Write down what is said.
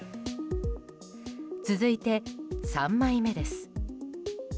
続いて、３枚目です。